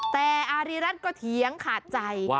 แต่อารีฤตก็เถย้งขาดใจ